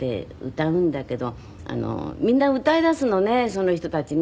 歌うんだけどみんな歌いだすのねその人たちね。